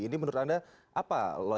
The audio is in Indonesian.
ini menurut anda apa